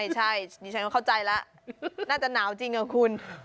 ใช่นี่ฉันเข้าใจแล้วน่าจะหนาวจริงเหรอคุณ